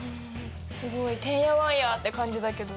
すごいてんやわんやって感じだけど。